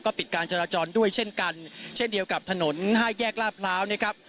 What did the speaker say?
ปิดการจราจรด้วยเช่นกันเช่นเดียวกับถนนห้าแยกลาดพร้าวนะครับ